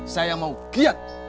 saya mau giat